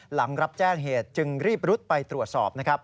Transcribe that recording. หลังรับแจ้งเหตุจึงรีบรุดไปตรวจสอบนะครับ